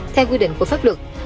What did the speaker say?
theo quy định của pháp luật